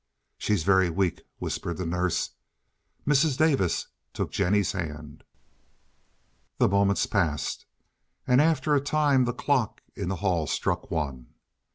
"She's very weak," whispered the nurse. Mrs. Davis took Jennie's hand. The moments passed, and after a time the clock in the hall struck one.